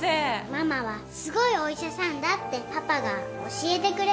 「ママはすごいお医者さんだってパパが教えてくれました」